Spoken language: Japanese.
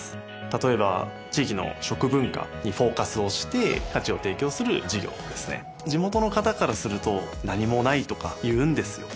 例えば地域の食文化にフォーカスをして価値を提供する事業ですね地元の方からすると何もないとか言うんですよ